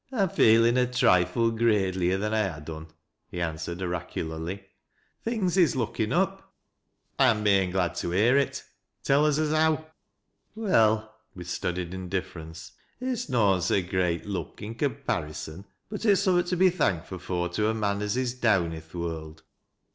"I'm feelin' a trifle graidelier than I ha' done," he answered, oracularly. " Things is lookin' up." " I'm main glad to hear it. Tell us as how." " Well," — with studied indifference, —" it's noau so great luck i' comparison, but it's summat to be thankfu' fm* to a mou as is down i' th' world.